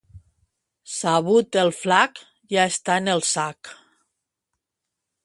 Sabut el flac, ja està en el sac.